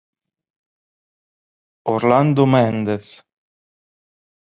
Orlando Méndez